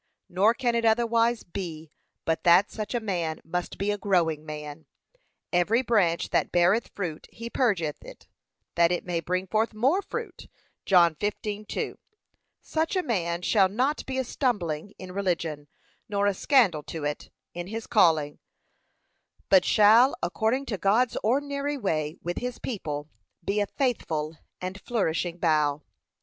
Nor can it otherwise be but that such a man must be a growing man. 'Every branch that beareth fruit, he purgeth it, that it may bring forth more fruit' (John 15:2) Such a man shall not be a stumbling in religion, nor a scandal to it, in his calling; but shall, according to God's ordinary way with his people, be a fruitful and flourishing bough.